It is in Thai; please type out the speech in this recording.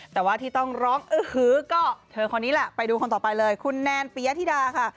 แต่ว่าที่ต้องร้องอื้อฮือก็เธอคนนี้แหละไปดูคนต่อไปเลยคุณแนนปียธิดาค่ะ